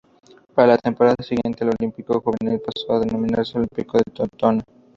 Para la temporada siguiente el Olímpico Juvenil pasó a denominarse Olímpico de Totana.